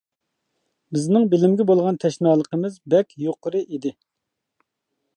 بىزنىڭ بىلىمگە بولغان تەشنالىقىمىز بەك يۇقىرى ئىدى.